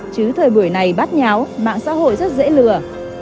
chứ thời buổi này bát nháo mạng xã hội rất dễ lừa